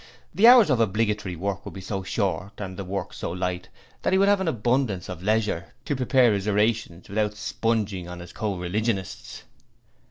The hours of obligatory work would be so short and the work so light that he would have abundance of leisure to prepare his orations without sponging on his co religionists.'